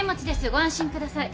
ご安心ください。